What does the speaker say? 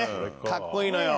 かっこいいのよ。